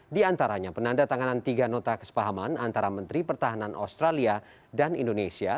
di antaranya penanda tanganan tiga nota kesepahaman antara menteri pertahanan australia dan indonesia